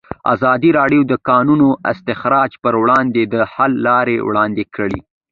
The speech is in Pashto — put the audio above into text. ازادي راډیو د د کانونو استخراج پر وړاندې د حل لارې وړاندې کړي.